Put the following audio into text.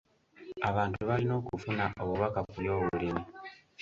Abantu balina okufuna obubaka ku by'obulimi.